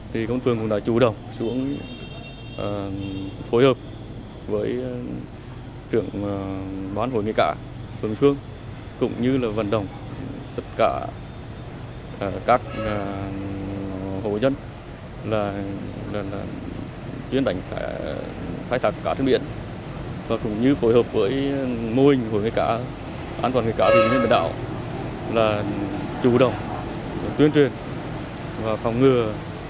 thì công an phương cũng đã chủ động xuống phối hợp với trưởng bán hội nghề cả phương phương cũng như là vận động tất cả các hội nhân là chuyên đánh thái thạc cả trường biển và cũng như phối hợp với mô hình hội nghề cả an toàn nghề cả biển biển đảo là chủ động tuyên truyền và phòng ngừa